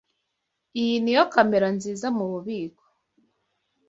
Iyi niyo kamera nziza mububiko.